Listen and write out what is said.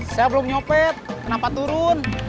saya belum nyopet kenapa turun